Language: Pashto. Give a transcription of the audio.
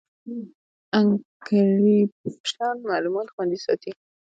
انکریپشن معلومات خوندي ساتي.